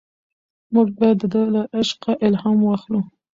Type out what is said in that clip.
موږ باید د ده له عشقه الهام واخلو.